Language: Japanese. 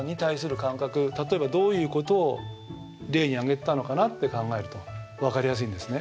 例えばどういうことを例に挙げてたのかなって考えると分かりやすいんですね。